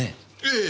ええ。